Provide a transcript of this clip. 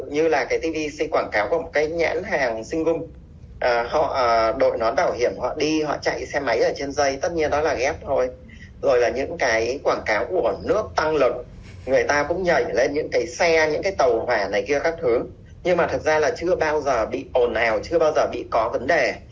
nhưng mà thực ra là chưa bao giờ bị ồn ào chưa bao giờ bị có vấn đề